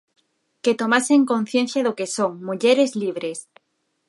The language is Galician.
Que tomasen conciencia do que son, mulleres libres.